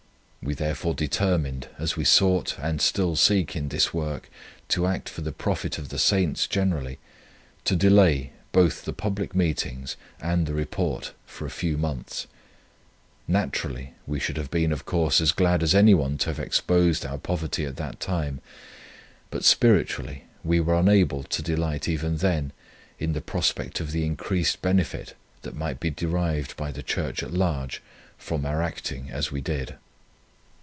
We therefore determined, as we sought and still seek in this work to act for the profit of the saints generally, to delay both the public meetings and the Report for a few months. Naturally we should have been, of course, as glad as anyone to have exposed our poverty at that time; but spiritually we were unable to delight even then in the prospect of the increased benefit that might be derived by the church at large from our acting as we did.